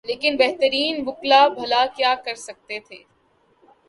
لیکن بہترین وکلا بھلا کیا کر سکتے تھے۔